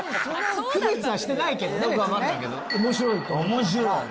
面白い。